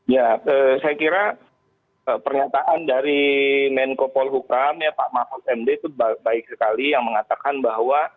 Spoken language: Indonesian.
ya saya kira pernyataan dari menko polhukam pak mahfud md itu baik sekali yang mengatakan bahwa